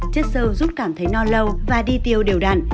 chất sâu giúp cảm thấy no lâu và đi tiêu đều đặn